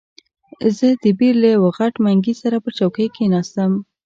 زه د بیر له یوه غټ منګي سره پر چوکۍ کښېناستم.